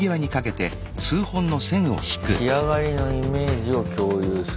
仕上がりのイメージを共有する。